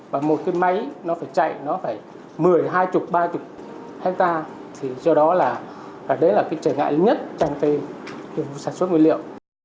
và một cái máy nó phải chạy nó phải một mươi hai mươi ba mươi hectare thì do đó là và đấy là cái trải ngại nhất trong việc sản xuất nguyên liệu